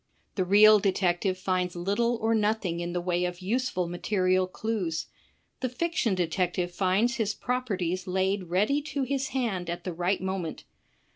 The real detective finds little or nothing in the way of useful material clues. The fiction detective finds his prop erties laid ready to his hand at the right moment.